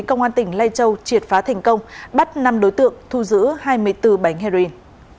công an tỉnh lai châu triệt phá thành công bắt năm đối tượng thu giữ hai mươi bốn bánh heroin